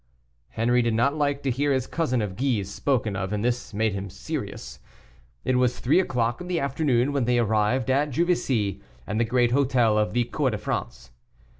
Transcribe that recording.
Henri did not like to hear his cousin of Guise spoken of, and this made him serious. It was three o'clock in the afternoon when they arrived at Juvisy and the great hotel of the "Cour de France."